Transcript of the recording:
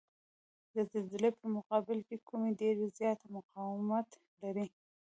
د زلزلې په مقابل کې کومې ډبرې زیات مقاومت لري؟